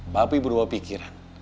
papi berubah pikiran